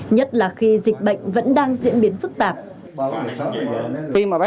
nhất là khi dịch bệnh vẫn đang diễn biến phức tạp